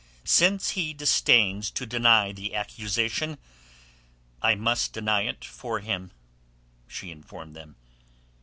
"Since he disdains to deny the accusation, I must deny it for him," she informed them.